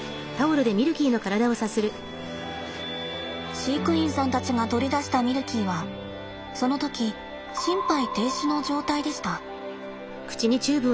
飼育員さんたちが取り出したミルキーはその時心肺停止の状態でした。